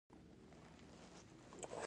د کائناتي ویب فیلامنټونه لري.